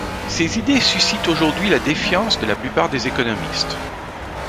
Ses idées suscitent aujourd'hui la défiance de la plupart des économistes.